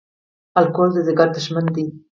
الکول د ځیګر دښمن دی